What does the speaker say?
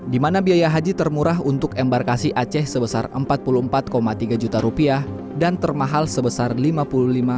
dimana biaya haji termurah untuk embarkasi aceh sebesar empat puluh empat tiga juta rupiah dan termahal sebesar lima juta rupiah